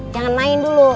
jangan main dulu